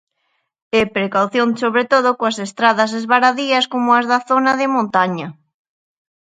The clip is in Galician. E precaución sobre todo coas estradas esvaradías como as da zona de montaña.